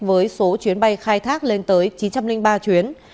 với số chuyến bay khai thác lên tới chín trăm linh ba chuyến